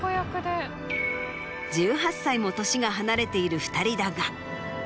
１８歳も年が離れている２人だが。